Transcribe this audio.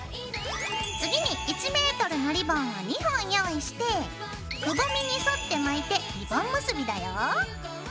次に１ｍのリボンを２本用意してくぼみに沿って巻いてリボン結びだよ。